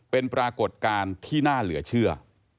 เป็นปรากฏการณ์ที่น่าเหลือเชื่อ